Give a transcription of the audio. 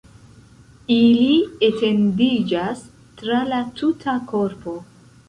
Ili etendiĝas tra la tuta korpo.